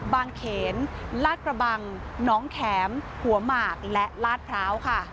เขนลาดกระบังน้องแข็มหัวหมากและลาดพร้าวค่ะ